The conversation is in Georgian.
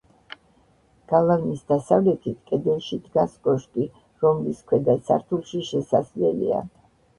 გალავნის დასავლეთით, კედელში დგას კოშკი, რომლის ქვედა სართულში შესასვლელია.